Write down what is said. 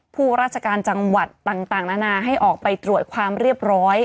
ผู้ราชการจังหวัดต่างนานาให้ออกไปตรวจความเรียบร้อย